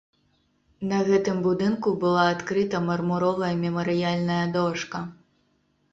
На гэтым будынку была адкрыта мармуровая мемарыяльная дошка.